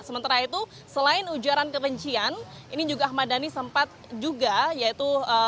sementara itu selain ujaran kebencian ini juga ahmad dhani sempat juga yaitu